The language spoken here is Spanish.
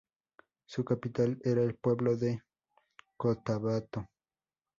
Su capital era el pueblo de Cotabato.